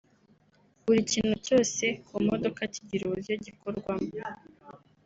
Buri kintu cyose ku modoka kigira uburyo gikoramo